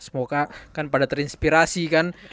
semoga kan pada terinspirasi kan